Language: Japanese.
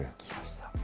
来ました。